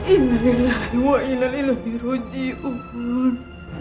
innalillahi wa innalillahi ruj'i'un